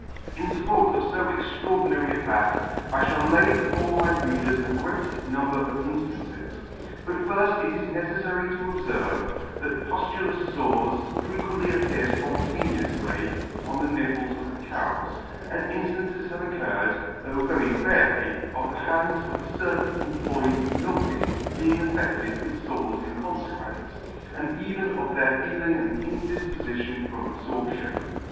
In fupport of fo extraordinary a fa£t, I fhall lay before my Reader a great number of inflances : but lirft it is necelfary to obferve, that puf tulous fores frequently appear fpontaneoully on the nipples of the Cows, and inftances have oc curred, though very rarely, of the hands of the fervants employed in milking being affe£ted with fores in confequence, and even of their feeling an indifpofition from abforption.